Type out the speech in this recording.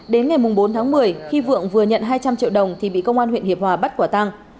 đến ngày bốn tháng một mươi khi vượng vừa nhận hai trăm linh triệu đồng thì bị công an huyện hiệp hòa bắt quả tăng